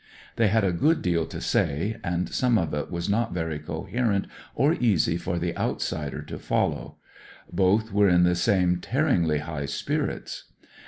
They had a good deal to say, and some of it was not very coherent or easy for the outsider to follow; both were in the same tearingly high spirits.